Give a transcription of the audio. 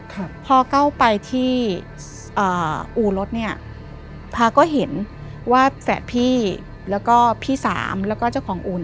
ต้องขออธิบายเพิ่มเติมว่าอู๋รถเนี่ยทางด้านหน้าทางเข้าเนี่ยจะติดถนนใหญ่